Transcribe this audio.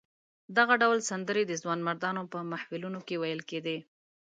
دغه ډول سندرې د ځوانمردانو په محفلونو کې ویل کېدې.